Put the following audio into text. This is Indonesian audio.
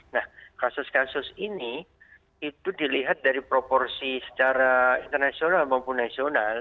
nah kasus kasus ini itu dilihat dari proporsi secara internasional maupun nasional